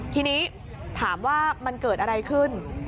ทีนี้ถามว่ามันเกิดอะไรขึ้น